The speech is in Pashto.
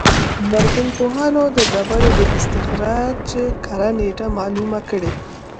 لرغونپوهان د ډبرې د استخراج کره نېټه معلومه کړي.